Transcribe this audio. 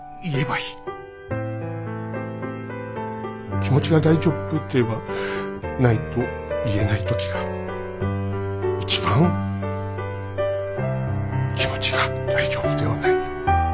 気持ちが大丈夫って言えない時が一番気持ちが大丈夫ではない。